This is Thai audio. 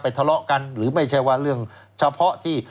ทะเลาะกันหรือไม่ใช่ว่าเรื่องเฉพาะที่